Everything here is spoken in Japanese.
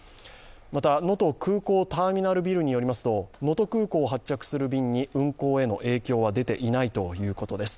また能登空港ターミナルビルによりますと能登空港を発着する便の運航への影響は出ていないということです。